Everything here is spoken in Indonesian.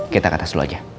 kita ke atas dulu aja